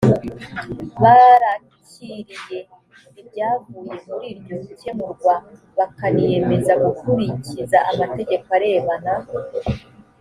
barakiriye ibyavuye muri iryo kemurwa bakaniyemeza gukurikiza amategeko arebana